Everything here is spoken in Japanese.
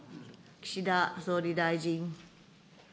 岸田総理大臣。